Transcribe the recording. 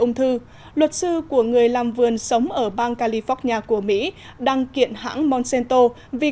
ung thư luật sư của người làm vườn sống ở bang california của mỹ đang kiện hãng monsanto vì